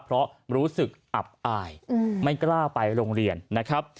เพราะรู้สึกอับอายไม่กล้าไปโรงเรียนนะครับ